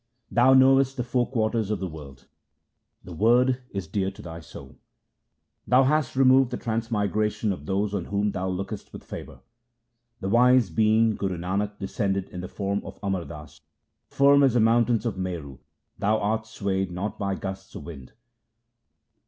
Thou knowest the four quarters of the world ; the Word is dear to thy soul. Thou hast removed the transmigration of those on whom thou lookest with favour. The wise being Guru Nanak descended in the form of Amar Das. Firm as the mountain of Meru thou art swayed not by gusts of wind.